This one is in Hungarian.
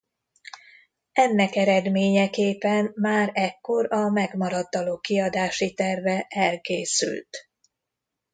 Ennek eredménye képen már ekkor a megmaradt dalok kiadási terve elkészült.